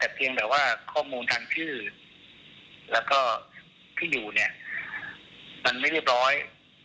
แต่เพียงแต่ว่าข้อมูลทางชื่อแล้วก็ที่อยู่เนี่ยมันไม่เรียบร้อย